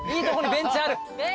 ベンチある。